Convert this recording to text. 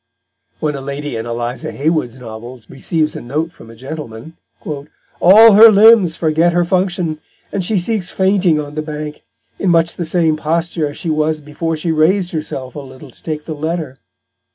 When a lady in Eliza Haywood's novels receives a note from a gentleman, "all her Limbs forget their Function, and she sinks fainting on the Bank, in much the same posture as she was before she rais'd herself a little to take the Letter."